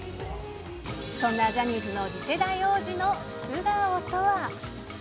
そんなジャニーズの次世代王子の素顔とは。